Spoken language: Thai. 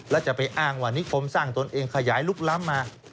แล้วจะไปอ้างว่านิคมสร้างตนเองขยายลุกล้ำมา